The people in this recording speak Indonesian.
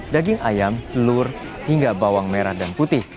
daging ayam telur hingga bawang merah dan putih